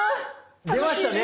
出ましたね